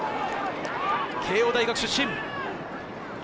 慶應大学出身。